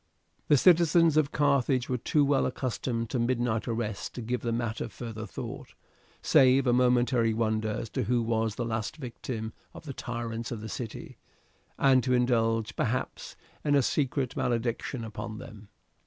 The citizens of Carthage were too well accustomed to midnight arrests to give the matter further thought, save a momentary wonder as to who was the last victim of the tyrants of the city, and to indulge, perhaps, in a secret malediction upon them.